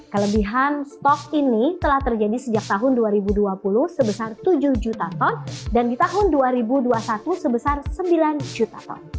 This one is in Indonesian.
kelebihan stok ini telah terjadi sejak tahun dua ribu dua puluh sebesar tujuh juta ton dan di tahun dua ribu dua puluh satu sebesar sembilan juta ton